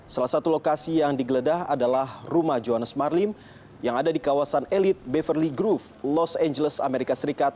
salah satu lokasi yang digeledah adalah rumah johannes marlim yang ada di kawasan elit beverly groove los angeles amerika serikat